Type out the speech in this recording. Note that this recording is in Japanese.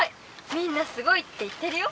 みんなすごいって言ってるよ」。